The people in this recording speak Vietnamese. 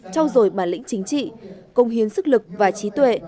trao dồi bản lĩnh chính trị công hiến sức lực và trí tuệ